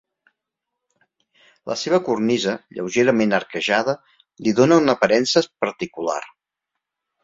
La seva cornisa, lleugerament arquejada, li dóna una aparença particular.